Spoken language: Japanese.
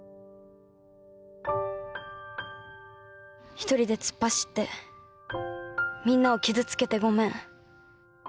「１人で突っ走ってみんなを傷つけてごめん」